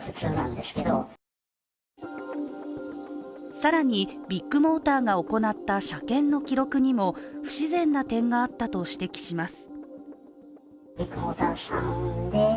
更にビッグモーターが行った車検の記録にも、不自然な点があったと指摘します。